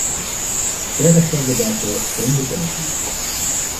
Verder gelden daarvoor geen beperkingen.